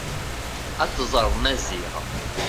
Ad tẓer Maziɣ.